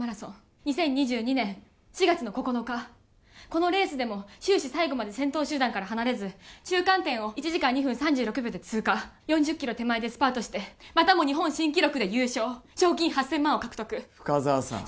このレースでも終始最後まで先頭集団から離れず中間点を１時間２分３６秒で通過４０キロ手前でスパートしてまたも日本新記録で優勝賞金８０００万を獲得深沢さん